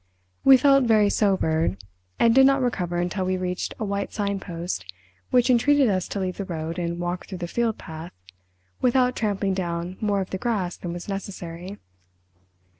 We felt very sobered, and did not recover until we reached a white signpost which entreated us to leave the road and walk through the field path—without trampling down more of the grass than was necessary.